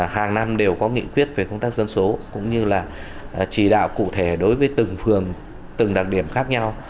hàng năm đều có nghị quyết về công tác dân số cũng như là chỉ đạo cụ thể đối với từng phường từng đặc điểm khác nhau